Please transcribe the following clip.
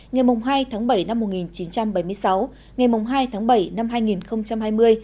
ngày hai tháng bảy năm một nghìn chín trăm bảy mươi sáu ngày hai tháng bảy năm hai nghìn hai mươi